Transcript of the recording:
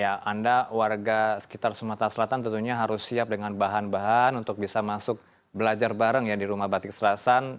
ya anda warga sekitar sumatera selatan tentunya harus siap dengan bahan bahan untuk bisa masuk belajar bareng ya di rumah batik serasan